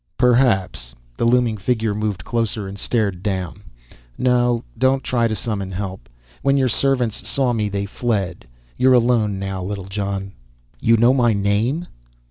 "Perhaps." The looming figure moved closer and stared down. "No, don't try to summon help. When your servants saw me, they fled. You're alone now, Littlejohn." "You know my name."